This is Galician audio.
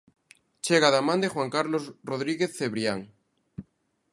Chega da man de Juan Carlos Rodríguez Cebrián.